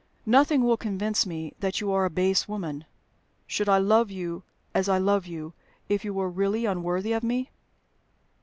Nothing will convince me that you are a base woman. Should I love you as I love you, if you were really unworthy of me?"